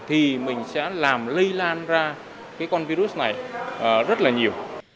thì mình sẽ làm lây lan ra cái con virus này rất là nhiều